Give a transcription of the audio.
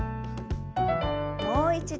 もう一度。